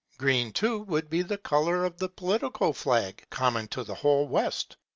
Green, too, would be the colour of the political flag, common to the whole West.